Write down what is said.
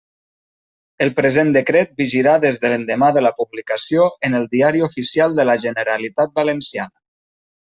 El present decret vigirà des de l'endemà de la publicació en el Diari Oficial de la Generalitat Valenciana.